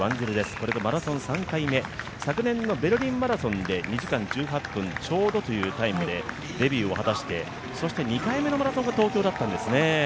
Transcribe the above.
これがマラソン３回目、昨年のベルリンマラソンで２時間１８分ちょうどというタイムでデビューを果たして、そして２回目のマラソンが東京だったんですね。